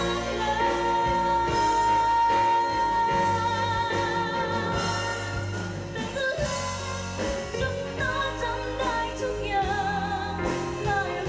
ทุกรถจะเป็นสลายทุกภัยจะไม่อ้างแพ้วเผิด